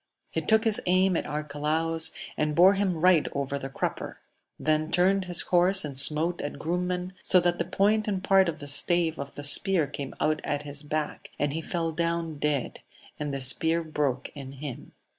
He took his aim at Arcalaus, and bore him right over the crupper; then turned his horse and smote at Grumen, so that the point and part of the stave of the spear came out at his back, and he fell down dead, and the spear broke in him.